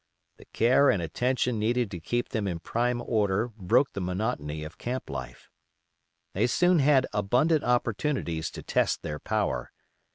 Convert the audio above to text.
The care and attention needed to keep them in prime order broke the monotony of camp life. They soon had abundant opportunities to test their power.